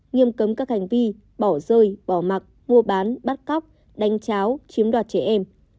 nghiêm cấm các hành vi bỏ rơi bỏ mặc mua bán bắt cóc đánh cháo chiếm đoạt trẻ em